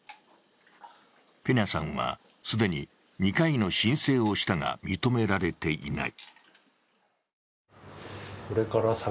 ペニャさんは既に２回の申請をしたが認められていない。